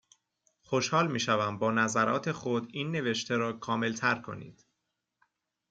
خوشحال میشوم با نظرات خود، این نوشته را کاملتر کنید.